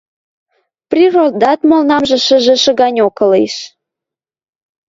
Природат молнамшы шӹжӹшӹ ганьок ылеш.